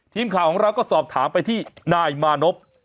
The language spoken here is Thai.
ทีมข่าวของเราก็สอบถามไปที่นายมานพ